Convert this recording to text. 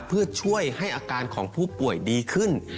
เพื่อช่วยให้อาการของผู้ป่วยดีขึ้น